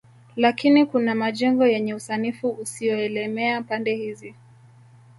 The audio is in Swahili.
Lakini kuna majengo yenye usanifu usioelemea pande hizi